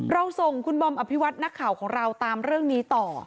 เราส่งคุณบอมอภิวัตนักข่าวของเราตามเรื่องนี้ต่อ